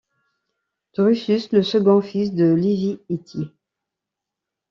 Drusus, le second fils de Livie et Ti.